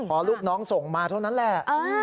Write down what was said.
พอลูกน้องส่งมาเท่านั้นแหละ